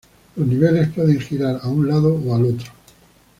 Los niveles pueden girar a un lado o al otro.